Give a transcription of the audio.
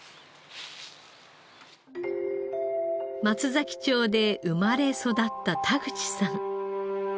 松崎町で生まれ育った田口さん。